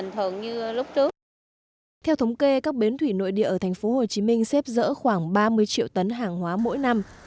theo thống kê các bến thủy nội địa ở thành phố hồ chí minh xếp rỡ khoảng ba mươi triệu tấn hàng hóa mỗi năm